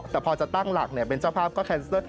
แต่พอจะตั้งหลักเป็นเจ้าภาพก็แคนเซิล